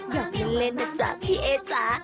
อยากเล่นนะจ๊ะพี่เอ๊ยจ๊ะ